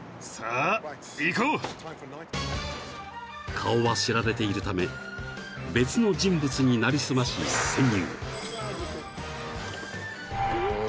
［顔は知られているため別の人物に成り済まし潜入］